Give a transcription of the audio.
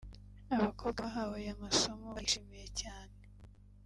Abakobwa bahawe aya masomo barayishimiye cyane